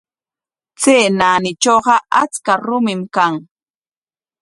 Chay naanitrawqa achka rumim kan.